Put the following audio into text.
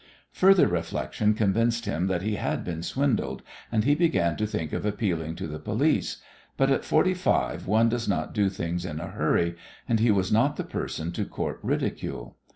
Further reflection convinced him that he had been swindled, and he began to think of appealing to the police, but at forty five one does not do things in a hurry, and he was not the person to court ridicule.